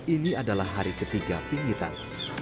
ini adalah hari ketiga pingitan